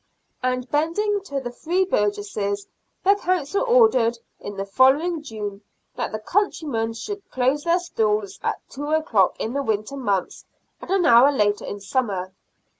Again bending to the free 118 SIXTEENTH CENTURY BRISTOL. burgesses, the Council ordered, in the following June, that the countrymen should close their stalls at two o'clock in the winter months and an hour later in summer.